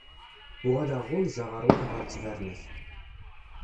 Uɣaleɣ ɣunzaɣ rrwaḥ ɣer ttbernat.